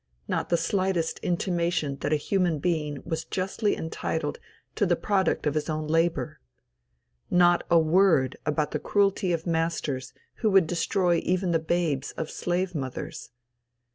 Not the slightest intimation that a human being was justly entitled to the product of his own labor. Not a word about the cruelty of masters who would destroy even the babes of slave mothers.